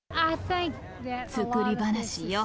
作り話よ。